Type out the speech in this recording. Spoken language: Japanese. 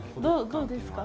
どうですか？